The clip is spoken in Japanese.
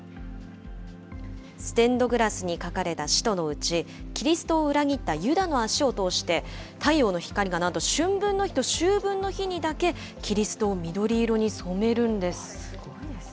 ステンドグラスに描かれた使徒のうち、キリストを裏切ったユダの足を通して太陽の光がなんと、春分の日と秋分の日にだけ、キリストを緑色に染めるんです。